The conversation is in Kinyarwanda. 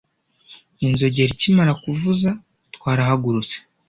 Inzogera ikimara kuvuza, twarahagurutse.